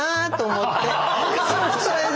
それで。